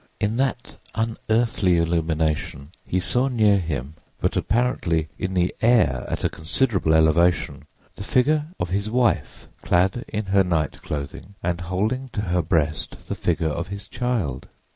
In that unearthly illumination he saw near him, but apparently in the air at a considerable elevation, the figure of his wife, clad in her night clothing and holding to her breast the figure of his child.